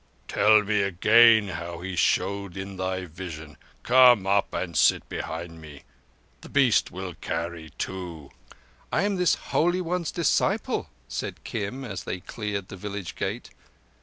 "Tell me again how He showed in thy vision. Come up and sit behind me. The beast will carry two." "I am this Holy One's disciple," said Kim, as they cleared the village gate.